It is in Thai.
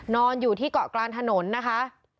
นอนอยู่ที่เกาะกลางถนนนะคะ